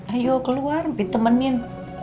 ayo keluar bi temenin